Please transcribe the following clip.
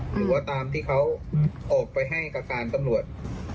หรือว่าตามที่เขาออกไปให้กับการตำรวจ